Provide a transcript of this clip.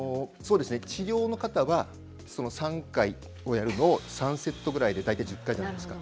治療の方は３回やるのを３セットぐらいで大体１０回じゃないですか。